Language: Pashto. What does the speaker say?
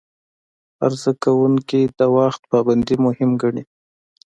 عرضه کوونکي د وخت پابندي مهم ګڼي.